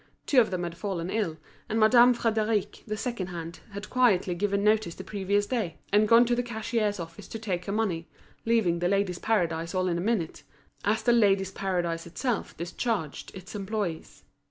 Two of them had fallen ill, and Madame Frédéric, the second hand, had quietly given notice the previous day, and gone to the cashier's office to take her money, leaving The Ladies' Paradise all in a minute, as The Ladies' Paradise itself discharged its employees.